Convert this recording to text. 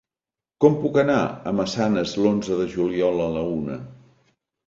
Com puc anar a Massanes l'onze de juliol a la una?